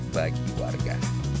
apakah bagi warga